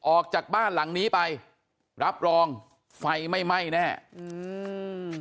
ออกจากบ้านหลังนี้ไปรับรองไฟไม่ไหม้แน่อืม